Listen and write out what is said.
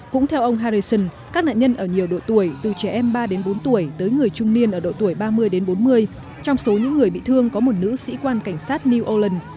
cũng theo ông hariton các nạn nhân ở nhiều độ tuổi từ trẻ em ba đến bốn tuổi tới người trung niên ở độ tuổi ba mươi đến bốn mươi trong số những người bị thương có một nữ sĩ quan cảnh sát new york